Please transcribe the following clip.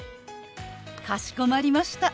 かしこまりました。